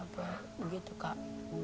apa begitu kak